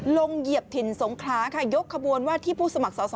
เหยียบถิ่นสงคราค่ะยกขบวนว่าที่ผู้สมัครสอสอ